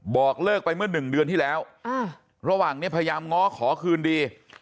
บอกเลิกไปเมื่อหนึ่งเดือนที่แล้วระหว่างนี้พยายามง้อขอคืนดี